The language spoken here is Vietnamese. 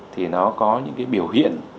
thì nó có những cái biểu hiện